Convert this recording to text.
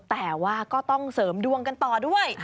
แต่ว่าก็ต้องเสริมดวงกันต่อด้วย